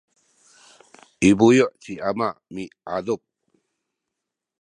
i buyu’ ci ama miadup